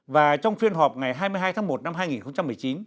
và trong phiên họp ngày hai mươi hai tháng một năm hai nghìn một mươi chín